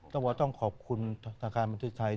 ต้องว่าต้องขอบคุณทางการบันทึกไทย